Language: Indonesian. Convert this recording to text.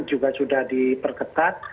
juga sudah diperketat